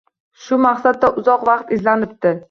Shu maqsadida uzoq vaqt izlanibdi.